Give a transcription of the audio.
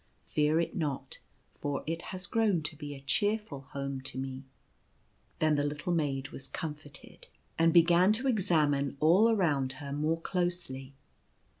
Fear it not, for it has grown to be a cheerful home to me." Then the little maid was comforted, and began to Warning to the People. 55 examine all around her more closely.